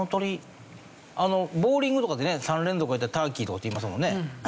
ボウリングとかでね３連続やったらターキーとかって言いますもんね。